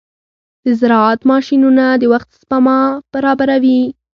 د زراعت ماشينونه د وخت سپما برابروي.